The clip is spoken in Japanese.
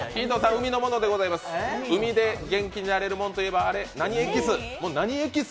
海で元気になれるものといえば、何エキス？